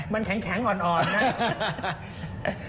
มันแข็งอ่อนนะ